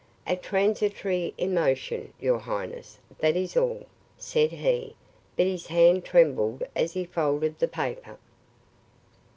"A transitory emotion, your highness, that is all," said he; but his hand trembled as he folded the paper.